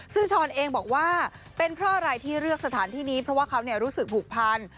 ซึ่งช้อนเองบอกว่าเป็นเพราะอะไรที่เลือกสถานที่นี้เพราะว่าเขารู้สึกผูกพัน